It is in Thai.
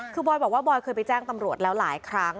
คือบอยบอกว่าบอยเคยไปแจ้งตำรวจแล้วหลายครั้ง